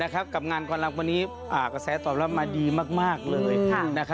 กับงานความรักวันนี้กระแสตอบรับมาดีมากเลย